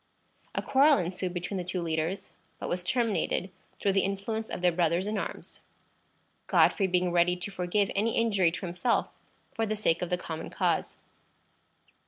A quarrel ensued between the two leaders, but was terminated through the influence of their brothers in arms, Godfrey being ready to forgive any injury to himself for the sake of the common cause.